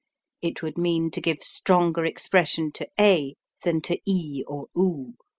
It would mean to give stronger expression to a than to e or do.